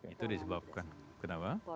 itu disebabkan kenapa